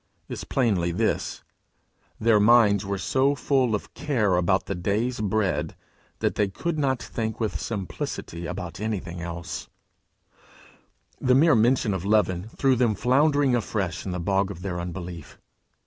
is plainly this: their minds were so full of care about the day's bread, that they could not think with simplicity about anything else; the mere mention of leaven threw them floundering afresh in the bog of their unbelief.